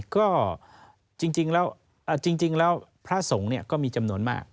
ก็จริงแล้วพระศงศ์ก็มีจำนวนมาก